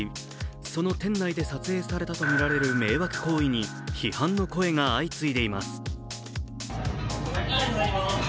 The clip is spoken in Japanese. その店内で撮影されたとみられる迷惑行為に批判の声が相次いでいます。